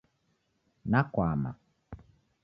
Nakwama